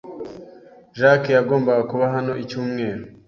Jacques yagombaga kuba hano icyumweru.